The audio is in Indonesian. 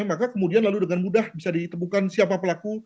maka kemudian lalu dengan mudah bisa ditemukan siapa pelaku